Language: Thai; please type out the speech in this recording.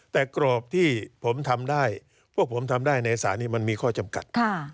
แต่กรอบที่ผมทำได้พวกผมทำได้ในสารนี้มันมีข้อจำกัด